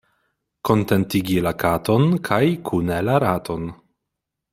Kontentigi la katon kaj kune la raton.